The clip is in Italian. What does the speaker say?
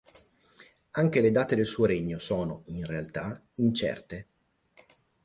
Anche le date del suo regno sono, in realtà, incerte.